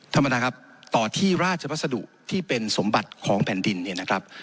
ท่านประธานครับต่อที่ราชพัสดุที่เป็นสมบัติของแผ่นดินเนี่ยนะครับ